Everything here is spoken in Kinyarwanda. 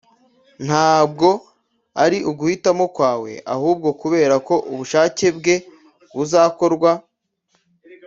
ntabwo ari uguhitamo kwawe ahubwo kuberako ubushake bwe buzakorwa.